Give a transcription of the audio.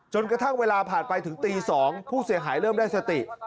กระทั่งเวลาผ่านไปถึงตี๒ผู้เสียหายเริ่มได้สติ